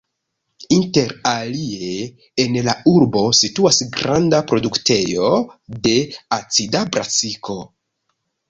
Inter alie en la urbo situas granda produktejo de acida brasiko.